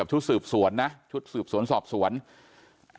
ที่ดินให้กับชุดสืบสวนนะ